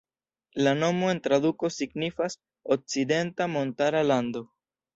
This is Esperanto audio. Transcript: La nomo en traduko signifas "Okcidenta Montara Lando".